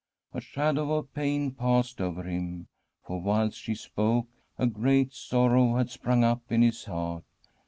A shadow of pain passed over him. For whilst she spoke a ^eat sorrow had sprung up in his heart.